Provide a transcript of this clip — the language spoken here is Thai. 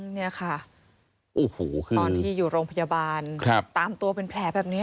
นี่ค่ะตอนที่อยู่โรงพยาบาลตามตัวเป็นแผลแบบนี้